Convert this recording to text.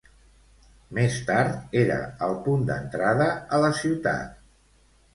Més tard era el punt d'entrada a la ciutat.